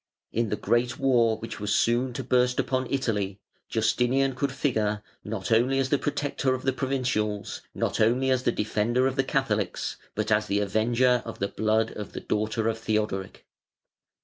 In the great war which was soon to burst upon Italy Justinian could figure not only as the protector of the provincials, not only as the defender of the Catholics, but as the avenger of the blood of the daughter of Theodoric.